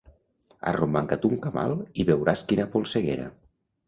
Arromanga't un camal i veuràs quina polseguera.